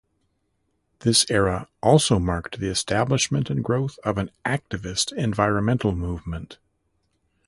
This era also marked the establishment and growth of an activist environmental movement.